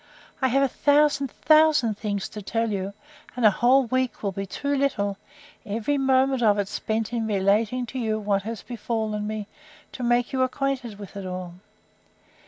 I have a thousand thousand things to tell you; and a whole week will be too little, every moment of it spent in relating to you what has befallen me, to make you acquainted with it all.